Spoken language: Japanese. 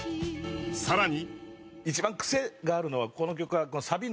さらに。